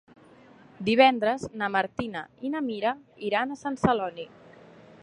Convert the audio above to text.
Divendres na Martina i na Mira iran a Sant Celoni.